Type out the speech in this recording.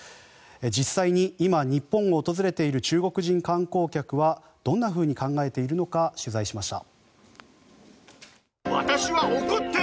実際に今、日本を訪れている中国人観光客はどんなふうに考えているのか取材しました。